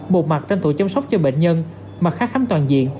một mặt tranh thủ chăm sóc cho bệnh nhân mặt khác khám toàn diện